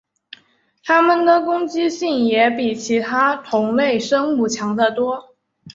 它们的攻击性也比其他同类生物强得多。